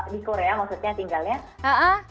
di korea maksudnya tinggalnya